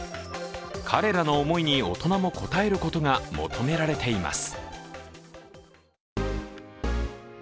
彼らの思いに大人も応えることが求められています。